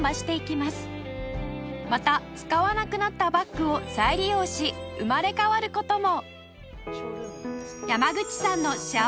また使わなくなったバッグを再利用し生まれ変わる事も